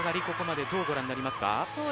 ここまでどうご覧になりますか？